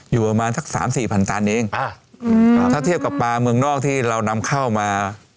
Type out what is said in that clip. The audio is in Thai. อยู่ประมาณสักสามสี่พันตันเองอ่าถ้าเทียบกับปลาเมืองนอกที่เรานำเข้ามา